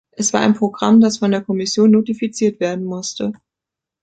Es war ein Programm, das von der Kommission notifiziert werden musste.